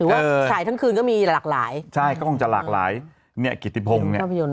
ถือว่าฉายทั้งคืนก็มีหลากหลายใช่ก็ต้องจะหลากหลายเนี่ยกิจทิพงเนี่ย